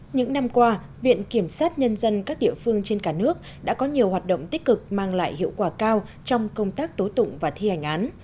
những năm qua viện kiểm sát nhân dân các địa phương trên cả nước đã có nhiều hoạt động tích cực mang lại hiệu quả cao trong công tác tố tụng và thi hành án